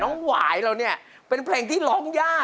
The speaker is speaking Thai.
หวายเราเนี่ยเป็นเพลงที่ร้องยาก